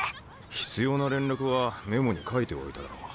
必要な連絡はメモに書いておいたろ。